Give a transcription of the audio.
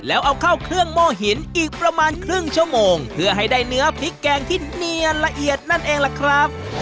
แล้วเอาเข้าเครื่องโม่หินอีกประมาณครึ่งชั่วโมงเพื่อให้ได้เนื้อพริกแกงที่เนียนละเอียดนั่นเองล่ะครับ